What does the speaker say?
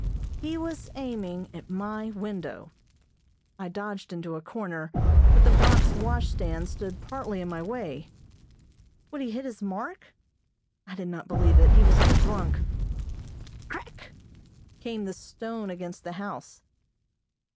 He was aiming at my window. I dodged into a corner, but the box washstand stood partly in my way. Would he hit his mark? I did not believe it. He was too drunk. Crack! came the stone against the house.